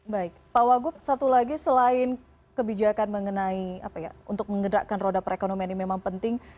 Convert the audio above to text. baik pak wagup satu lagi selain kebijakan untuk menggerakkan roda perekonomian ini memang penting